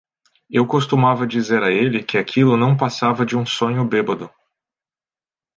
Eu costumava dizer a ele que aquilo não passava de um sonho bêbado.